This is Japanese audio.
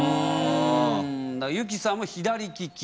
優希さんも左利き。